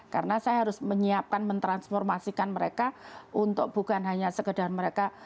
karena saya harus menyiapkan mentransformasikan mereka untuk bukan hanya sekedar mereka